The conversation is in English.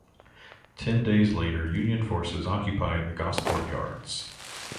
Ten days later Union forces occupied the Gosport Yards.